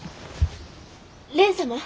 蓮様？